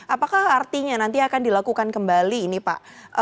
apakah artinya nanti akan dilakukan kembali ini pak